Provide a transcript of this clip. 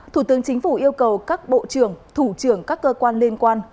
thủ tướng chính phủ yêu cầu các bộ trưởng thủ trưởng các cơ quan liên quan